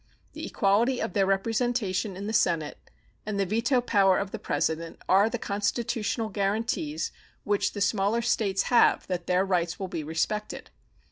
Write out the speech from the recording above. The equality of their representation in the Senate and the veto power of the President are the constitutional guaranties which the smaller States have that their rights will be respected.